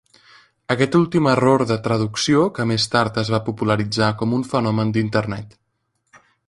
Aquest últim error de traducció que més tard es va popularitzar com un fenomen d'Internet.